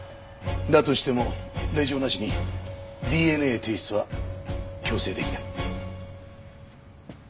だとしても令状なしにＤＮＡ提出は強制出来ない。